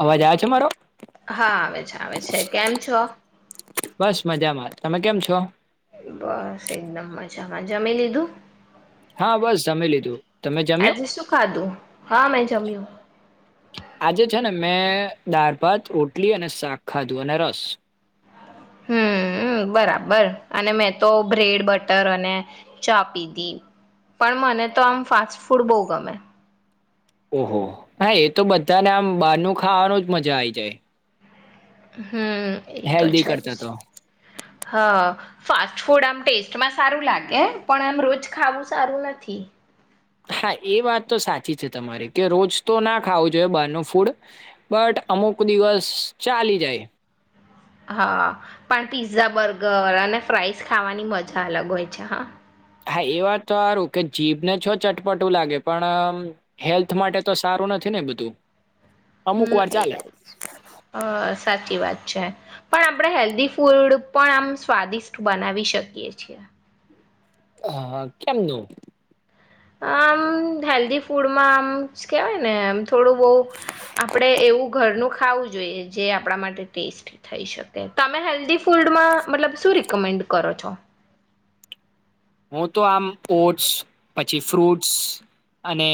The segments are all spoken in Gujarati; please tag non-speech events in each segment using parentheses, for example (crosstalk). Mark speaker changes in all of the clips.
Speaker 1: અવાજ આવ છે મારો
Speaker 2: હા આવે છે આવે છે કેમ છો?
Speaker 1: બસ મજામાં. તમે કેમ છો?
Speaker 2: બસ એકદમ મજામાં જમી લીધું?
Speaker 1: હા બસ ઝમી લીધું. તમે જમ્યું
Speaker 2: આજે શું ખાધું હા મેં જમ્યું.
Speaker 1: આજે છે ને મેં દાળ ભાત રોટલી અને શાક ખાધું અને રસ.
Speaker 2: હમ બરાબર અને મેં તો બ્રેડ બટર અને.
Speaker 1: ઓહો હા એ તો બધાને આમ બારનું ખાવાનું જ મજા આઈ જાય.
Speaker 2: (inaudible) હમ એ તો
Speaker 1: હેલ્ધી
Speaker 2: છે
Speaker 1: કરતા
Speaker 2: જ
Speaker 1: તો
Speaker 2: હા ફાસ્ટ ફૂડ આમ ટેસ્ટમાં પણ આમ રોજ ખાવુ સારુ નથી
Speaker 1: હા એ વાત તો સાચી છે તમારી કે રોજ તો ના ખાવું જોઈએ બારનું ફૂડ બટ અમુક દિવસ ચાલી જાય.
Speaker 2: હા પણ પીઝા બર્ગર અને ફ્રાઈઝ ખાવાની મઝા અલગ હોય છે હા.
Speaker 1: હા એ વાત તો હારું કે જીભને છો ચટપટું લાગે પણ હેલ્થ માટે તો સારું નથી ને બધું. અમુક
Speaker 2: હમ
Speaker 1: વાર
Speaker 2: એ
Speaker 1: ચાલે
Speaker 2: જ અ સાચી વાત છે પણ આપડે હેલ્ધી ફૂડ પણ આમ સ્વાદિષ્ટ બનાવી શકીએ છીએ.
Speaker 1: હ કેમનું?
Speaker 2: આમ હેલ્ધી ફૂડમાં આમ કેવાય ને થોડું બઉ આપડે એવું ઘરનું ખાવું જોઈએ જે આપડા માટે ટેસ્ટ થઈ શકે તમે હેલ્ધી ફૂડમાં મતલબ શું રિકમેન્ડ કરો છો?
Speaker 1: હું તો આમ ઓટ્સ પછી ફ્રુટ્સ અને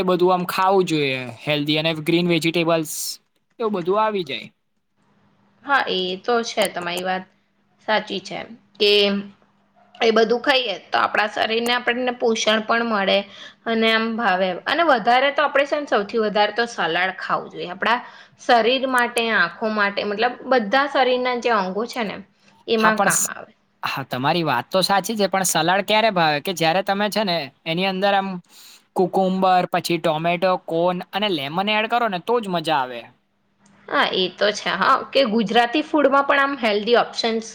Speaker 1: એ બધું આમ ખાવું જોઈએ હેલ્ધી અને ગ્રીન વેજીિટેબલ્સ એવું બધું આવી જાય.
Speaker 2: હા એ તો છે તમારી વાત સાચી છે કે એ બધું ખાઈએ તો આપડા શરીરને આપણને પોષણ પણ મળે અને આમ ભાવે અને વધારે તો આપડે છે ને સૌથી વધારે તો સલાડ ખાવું જોઈએ આપડા શરીર માટે આંખો મા તે મતલબ બધા શરીરના જે અંગો છે ને
Speaker 1: હા
Speaker 2: એમાં
Speaker 1: પણ
Speaker 2: કામ આવે
Speaker 1: હા તમારી વાત તો સાચી છે પણ સલાડ ક્યારે ભાવે કે જયારે તમે છે ને એની અંદર આમ કુકુંબર પછી ટોમેટો કોન અને લેમન એડ કરો ને તો જ મજા આવે
Speaker 2: હા એ તો છે હા કે ગુજરાતી ફૂડમાં પણ આમ હેલ્ધી ઓપ્શન્સ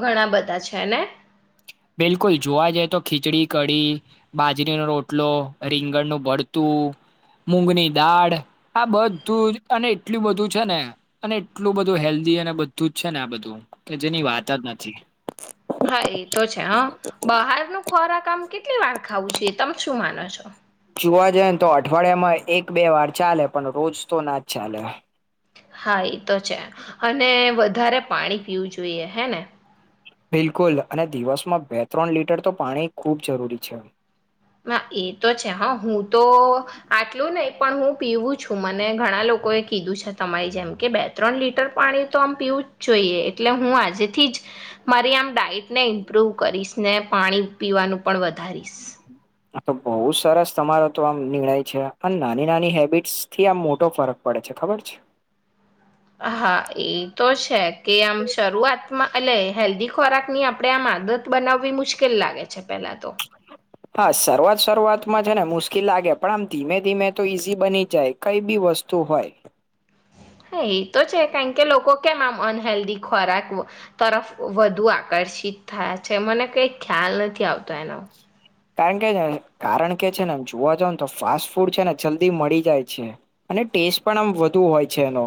Speaker 2: ઘણા બધા છે ને
Speaker 1: બિલકુલ જોવા જઈ તો ખીચડી કઢી બાજરીનો રોટલો રીંગણનું ભરતું મૂગની દાળ આ બધું જ અને એટલું બધું છે ને અને એટલું બધું હેલ્ધી અને બધું જ છે ને આ બધું કે જેની વાત જ નથી
Speaker 2: બહાર નું ખોરાક આમ કેવું કેટલી વાર ખાવું જોઈએ તમે શું માનો છો
Speaker 1: જોવા જઈ ને તો અઠવાડિયામાં એક બે વાર ચાલે પણ રોજ તો ના જ ચાલે
Speaker 2: હા એ તો છે અને વધારે પાણી પીવું જોઈએ હે ને
Speaker 1: બિલકુલ અને દિવસમાં બે ત્રણ લીટર તો પાણી ખૂબ જરૂરી છે
Speaker 2: હ એ તો છે હા હું તો આટલું નહી પણ હું પીવું છું મને ઘણા લોકોએ કીધું છે તમારી જેમ કે બે ત્રણ લીટર પાણી તો આમ પીવું જ જોઈએ એટલે હું આજેથી જ મારી આમ ડઇટને ઇમ્પ્રુવ કરીશ ને પાણી પીવાનું પણ વધારીશ
Speaker 1: હ તો બહુ સરસ તમારો તો આમ નિર્ણય છે અને નાની નાની હેબિટસ થી આમ મોટો ફરક પડે છે ખબર છે
Speaker 2: હા એ તો છે કે આમ શરૂઆતમાં એટલે હેલ્ધી ખોરાક ની આપણે આમ આદત બનાવવી મુશ્કેલ લાગે છે પેલા તો
Speaker 1: હા શરૂઆત શરૂઆતમાં છે ને મુશ્કેલ લાગે પણ આમ ધીમે ધીમે તો ઈઝી બની જાય કઈ બી વસ્તુ હોય
Speaker 2: હા એ તો છે કારણ કે લોકો કેમ આમ અનહેલ્ધી ખોરાક તરફ વધુ આકર્ષિત થયા છે મને કઈ ખ્યાલ નથી આવતો એનો
Speaker 1: કારણ કે કારણ કે છે નેમ જોવા જાવ ને તો ફાસ્ટ ફૂડ છે ને જલ્દી મળી જાય છે અને ટેસ્ટ પણ આમ વધુ હોય છે એનો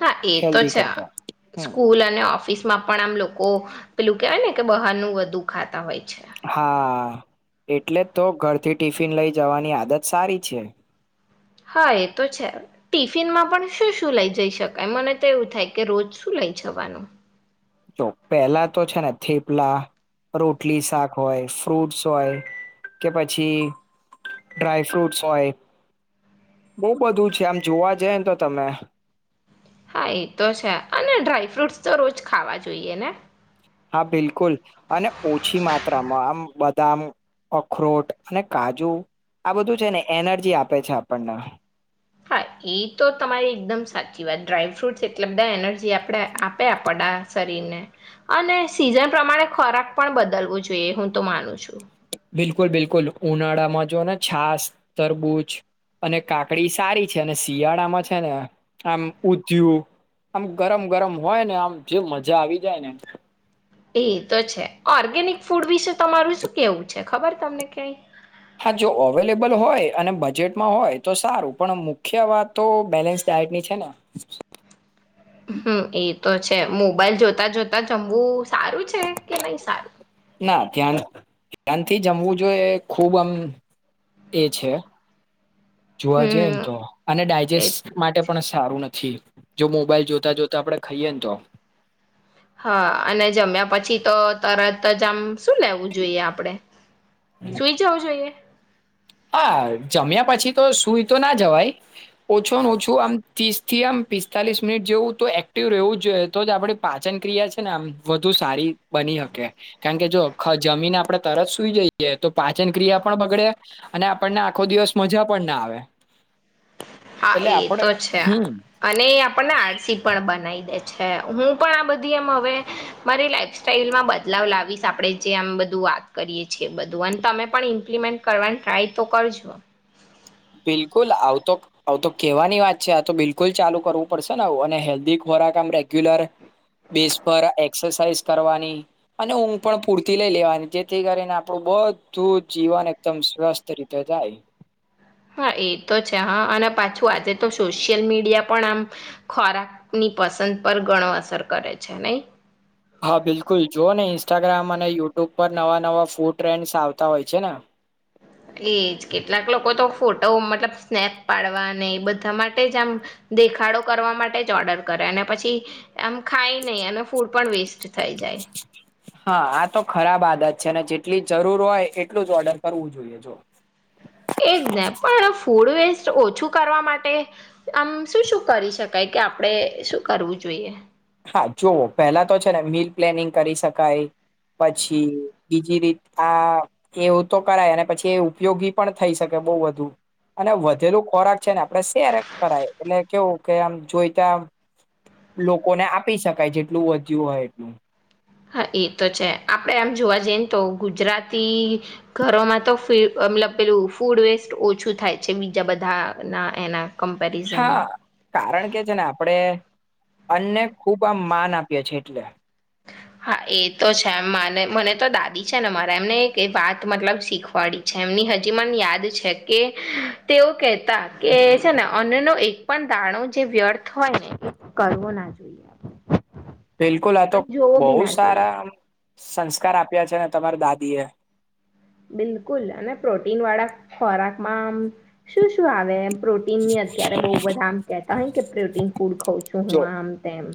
Speaker 2: હા એ તો
Speaker 1: હેલ્ધી
Speaker 2: છે
Speaker 1: કરતા હમ
Speaker 2: સ્કૂલ અને ઓફિસ માં પણ આમ લોકો પેલું કેવાય ને કે બહાનું વધુ ખાતા હોય છે
Speaker 1: હા એટલે તો ઘરથી ટિફિન લઈ જવાની આદત સારી છે
Speaker 2: હા એ તો છે ટિફિનમાં પણ શું શું લઈ જઈ શકાય મને તો એવું થાય કે રોજ શું લઈ જવાનું
Speaker 1: જો પેલા તો છે ને થેપલા રોટલી શાક હોય ફ્રૂટ્સ હોય કે પછી ડ્રાયફ્રૂટસ હોય બહુ બધું છે આમ જોવા જાયને તો તમે
Speaker 2: હા એ તો છે અને ડ્રાયફ્રૂટસ તો રોજ ખાવા જોઈએ ને
Speaker 1: હા બિલ કુલ અને ઓછી માત્રામાં આમ બદામ અખરોટ અને કાજુ આ બધું છે ને એનર્જી આપે છે આપણને
Speaker 2: હા એ તો તમારી એકદમ સાચી વાત ડ્રાયફ્રુટસ એટલે (unintelligible) જે આપણે આપ્યા પડા શરીરને અને સિઝન પ્રમાણે ખોરાક પણ બદલવો જોઈએ હું તો માનું છું
Speaker 1: બિલકુલ બિલકુલ ઉનાળામાં જો ને છાસ તરબૂચ અને કાકડી સારી છે અને શિયાળામાં છે ને આમ ઉધયું આમ ગરમ ગરમ હોય ને આમ જે મજા આવી જાય ને
Speaker 2: એ તો છે ઓર્ગેનિક ફૂડ વિશે તમારું શું કેવું છે ખબર તમને ક્યાંક
Speaker 1: હા જો અવેલેબલ હોય અને બજેટમાં હોય તો સારું પણ મુખ્ય વાત તો બેલેન્સ ડાયટની છે ને
Speaker 2: હમ એ જ તો છે મોબાઈલ જોતા જોતા જમવું સારું છે કે નહી સારું
Speaker 1: ના ધ્યાન ધ્યાનથી જમવું જોઈએ એ ખૂબ આમ એ છે જોવા જઈએ ને
Speaker 2: હમ
Speaker 1: તો અને
Speaker 2: એ
Speaker 1: ડાયજેસ્ટ માટે પણ સારું નથી જો મોબાઈલ જોતા જોતા આપણેે ખાઈએ ને તો
Speaker 2: હા અને જમ્યા પછી તો તરત જ આમ શું લેવું જોઈએ આપડે સુઈ જવું જોઈએ
Speaker 1: હા જમ્યા પછી તો સુઈ તો ના જવાય ઓછો ઓછું આમ ત્રીસ થી આમ પિસ્તાલીસ મિનિટ જેવું તો એક્ટિવ રહેવું જ જોઈએ તો જ આપડી પાચન ક્રિયા છે ને આમ વધુ સારી બની શકે કારણકે જો જમીન આપણે તરત સુઈ જઈએ તો પાચન ક્રિયા પણ બગડે અને આપણને આખો દિવસ મજા પણ ના આવે
Speaker 2: હા
Speaker 1: એટલે
Speaker 2: એ તો
Speaker 1: આપડે
Speaker 2: છે
Speaker 1: હમ
Speaker 2: અને એ આપણને આડસી પણ બનાવી દે છે હું પણ આ બધી એમ હવે મારી લાઈફ સ્ટાઈલમાં બદલાવ લાવીશ આપડે જે આમ બધું વાત કરીએ છીએ બધું અને તમે પણ ઇમ્પ્લિમેન્ટ કરવાનું ટ્રાય તો કરજો
Speaker 1: બિલકુલ આવ તો આવ તો કેવાની વાત છે આ તો બિલકુલ ચાલુ કરવું પડશે ને આવ અને હેલ્ધી ખોરાક આમ રેગ્યુલર બેસ પર એક્સરસાાઈઝ કરવાની અને ઊંઘ પણ પૂરતી લઇ લેવાની જેથી કરીને આપણું બધું જીવન એકદમ સ્વસ્થ રીતે જાય
Speaker 2: હા એ તો છે હા અને પાછું આજે તો સોશિયલ મીડિયા પણ આમ ખોરાક ની પસંદ પર ઘણો અસર કરે છે નઈ
Speaker 1: હા બિલકુલ જોઓ ને ઇન્સ્ટાગ્રામ અને યુટ્યુબ પર નવા નવા ફૂડ ટ્રેન્ડસ આવતા હોય છે ને
Speaker 2: એજ કેટલાક લોકો તો ફોટો મતલબ સ્નેક પાડવા ને બધા માટે જ આમ દેખાડો કરવા માટે જ ઓર્ડર કરે અને પછી આમ ખાય નહી અને ફૂડ પણ વેસ્ટ થઈ જાય
Speaker 1: હા આ તો ખરાબ આદત છે જેટલી જરૂર હોય એટલું જ ઓર્ડર કરવું જોઈએ જો
Speaker 2: એજ ને પણ એ ફૂડ વે વેસ્ટ ઓછું કરવા માટે આમ શું શું કરી શકાય કે આપણે શું કરવું જોઈએ.
Speaker 1: હા જોવો પહેલા તો છે ને મીલ પ્લેનિંગ કરી શકાય પછી બીજી રીત આ એવું તો કરાય અને પછી એ ઉપયોગી પણ થઈ શકે બોવ બધું અને વધેલું ખોરાક છે ને આપણેે શેર કરાય એટલે કેવું કે આમ જોઈ ત્યાં લો કોને આપી શકાય જેટલું વધ્યું હોય એટલું
Speaker 2: હા એ તો છે આપણેે એમ જોવા જઈએ ને તો ગુજરાતી ઘરોમાં તો ફી અ મતલબ પેલું ફૂડ વેસ્ટ ઓછું થાય છે બીજા બધા ના એના
Speaker 1: હા
Speaker 2: કમ્પેરીઝનમાં
Speaker 1: કારણ કે છે ને આપણેે અન્ને ખૂબ આમ માન આપીએ છે એટલે
Speaker 2: હા એ તો છે મને મને તો દાદી છે ને મારા એમને વાત મતલબ શીખવાડી છે એમની હજી મને યાદ છે કે તેઓ કેહેતા કે છે ને અન્નનો એક પણ દાણો જે વ્યર્થ હોય ને એ કરવો ના જોઈએ.
Speaker 1: બિલકુલ આ તો
Speaker 2: જોવો બી
Speaker 1: બોવ
Speaker 2: ના જોઈએ
Speaker 1: સારા સંસ્કાર આપ્યા છે ને તમારી દાદી એ
Speaker 2: બિલકુલ અને પ્રોટીન વાળા ખોરાકમાં શું શું આવે પ્રોટીન ની અત્યારે બોવ બધા આમ કેતા હોય કે પ્રોટીન ફૂડ ખઉં છું
Speaker 1: જો
Speaker 2: હું આમ તેમ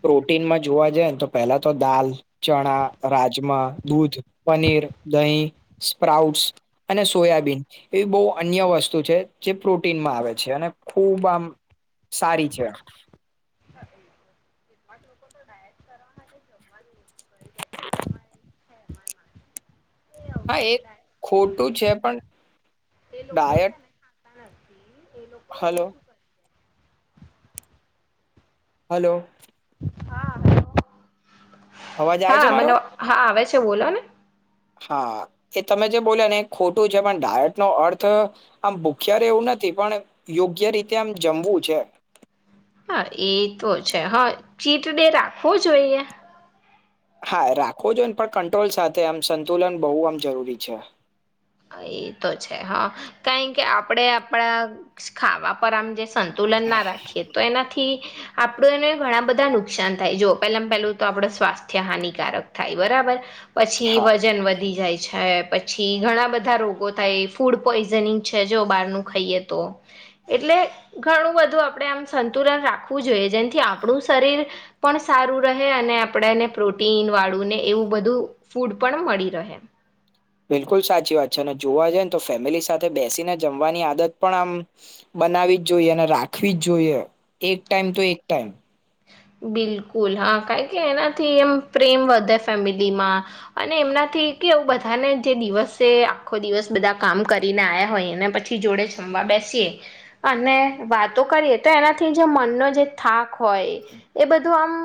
Speaker 1: પ્રોટીનમાં જોવા જાય ને તો પહેલા તો દાલ ચણા રાજમા દૂધ પનીર દહીં સ્પ્રાઉટસ અને સોયાબીન એવી બો અન્ય વસ્તુ છે જે પ્રોટીનમાં આવે છે અને ખૂબ આમ સારી છે.
Speaker 2: (inaudible) હે મળ મળ
Speaker 1: હા એ ખોટું છે પણ ડાયટ
Speaker 2: તણથી
Speaker 1: હલો હલો
Speaker 2: હા હલો
Speaker 1: અવાજ આવે
Speaker 2: હા
Speaker 1: છે મારો
Speaker 2: મને હા છે બોલો ને
Speaker 1: હા એ તમે જે બોલ્યા ને એ ખોટું છે પણ ડાયટ નો અર્થ આમ ભૂખ્યા રેવું નથી પણ યોગ્ય રીતે આમ જમવું છે.
Speaker 2: હા એ તો છે હા ચીટડે રાખવો જોઈએ
Speaker 1: હા રાખો જોયને પણ કંટ્રોલ સાથે આમ સંતુલન બોવ આમ જરૂરી છે.
Speaker 2: એ તો છે હા કારણ કે આપડે આપણ ખાવા પર આમ જે સંતુલન ના રાખીએ તો એનાથી આપડને ઘણા બધા નુકસાન થાય જોઓ પેલામ પેલું તો આપડું સ્વાસ્થ્ય હાનિકારક થાય બરાબર પછી
Speaker 1: હા
Speaker 2: વજન વધી જાય છે. પછી ઘણા બ ધા રોગો થાય ફૂડ પોઈઝનિંગ છે જો બારનું ખાઈએ તો એટલે ઘણું બધું આપણે આમ સંતુલન રાખવું જોઈએ જેનથી આપણું શરીર પણ સારું રહે અને આપણે એને પ્રોટીન વાળું ને એવું બધું ફૂડ પણ મળી રહે
Speaker 1: બિલકુલ સાચી વાત છે અને જોવા જઈ ને તો ફેમિલી સાથે બેસીને જમવાની આદત પણ આમ બનાવી જ જોઈએ અને રાખવી જ જોઈએ એક ટાઈમ તો એક ટાઈમ
Speaker 2: બિલકુલ હા કારણ કે એનાથી એમ પ્રેમ વધે ફેમિલીમાં અને એમનાથી કે બધાને જે દિવસે આખો દિવસ બધા કામ કરીને આયા હોય એને પછી જોડે જમવા બેસીએ અને વાતો કરીએ તો એનાથી જે મનનો જે થાક હોય એ બધું આમ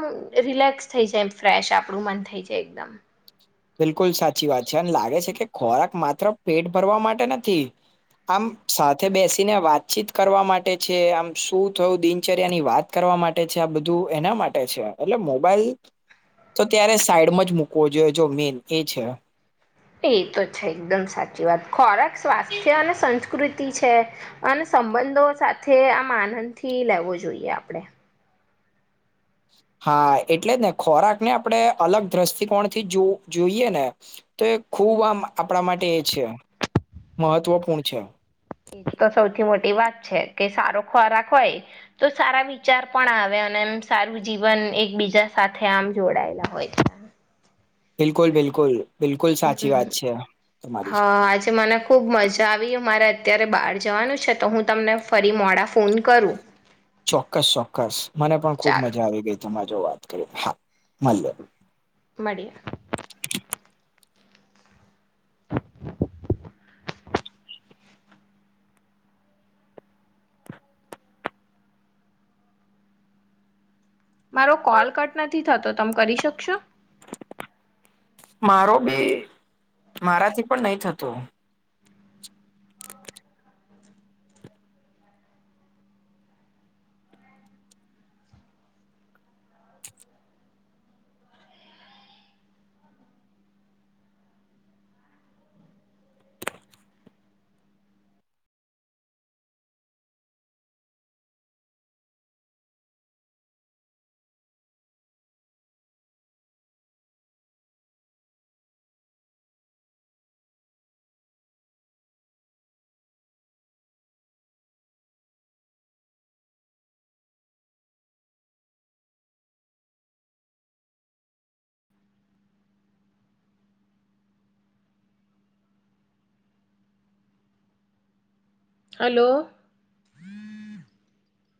Speaker 2: રિલેક્સ થઈ જાય ફ્રેશ આપણું મન થઈ જાય એકદમ
Speaker 1: બિલકુલ સાચી વાત છે અનેમ લાગે છે કે ખોરાક માત્ર પેટ ભરવા માટે નથી આમ સાથે બેસીને વાતચીત કરવા માટે છે આમ શું થયું દિનચર્યા ની વાત કરવા માટે છે આ બધું એના માટે છે એટલે મોબાઈલ તો ત્યારે સાઈડમાં જ મૂકવો જોઈએ જો મેન એ છે
Speaker 2: એ તો છે એકદમ સાચી વાત ખોરાક સ્વાસ્થ્ય અને સંસ્કૃતિ છે અને સંબંધો સાથે આમ આનંદથી લેવો જોઈએ આપણે
Speaker 1: હા એટલે જ ને ખોરાકને આપણે અલગ દ્રષ્ટિકોણ થી જો જોઈએ ને તો એ ખૂબ આમ આપણા માટે એ છે મહત્વપૂર્ણ છે
Speaker 2: એ તો સૌથી મોટી વાત છે કે સારો ખોરાક હોય તો સારા વિચાર પણ આવે અને એમ સારું જીવન એકબીજા સાથે આમ જોડાયેલા હોય
Speaker 1: બિલકુલ બિલકુલ બિલકુલ સાચી
Speaker 2: હમ
Speaker 1: વાત છે તમારી
Speaker 2: હા આજે મને ખુબ મજા આવી મારા અત્યારે બહાર જવાનું છે તો હું તમને ફરી મોડા ફોન કરું
Speaker 1: ચોક્કસ, ચોક્કસ, મને પણ ખુબ
Speaker 2: ચાલો
Speaker 1: મજા આવી ગઈ. તમા જો વાત કરીએ હા મલ્યે
Speaker 2: મડી મારો કોલ કટ નથી થતો, તમ કરી શકશો?
Speaker 1: મારો બી મારાથી પણ નઈ થતુ
Speaker 2: હલો.